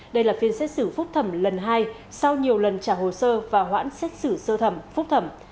đây là phiên xét xử phúc thẩm lần hai sau nhiều lần trả hồ sơ và hoãn xét xử sơ thẩm phúc thẩm